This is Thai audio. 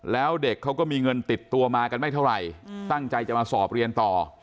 แล้วเด็กเขาก็มีเงินติดตัวมากันไม่เท่าไหร่ตั้งใจจะมาสอบเรียนต่อ